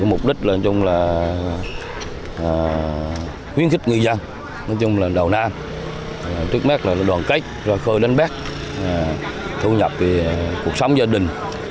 mục đích là khuyến khích ngư dân đầu năm trước mắt là đoàn kết khơi đánh bắt thu nhập cuộc sống gia đình